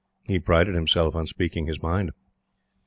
He prided himself on speaking his mind.